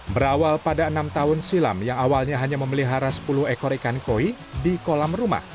berawal pada enam tahun silam yang awalnya hanya memelihara sepuluh ekor ikan koi di kolam rumah